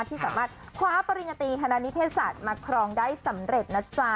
ที่สามารถคว้าปริญญาตีคณะนิเทศศาสตร์มาครองได้สำเร็จนะจ๊ะ